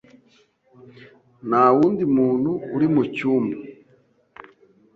Nta wundi muntu uri mu cyumba.